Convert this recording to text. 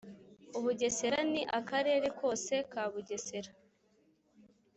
Ubugesera Ni akarere kose ka Bugesera